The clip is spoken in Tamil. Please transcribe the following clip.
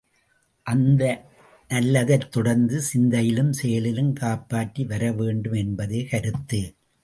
அந்த நல்லதைத் தொடர்ந்து சிந்தையிலும் செயலிலும் காப்பாற்றி வரவேண்டும் என்பதே கருத்து.